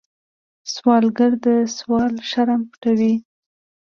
سوالګر د سوال شرم پټوي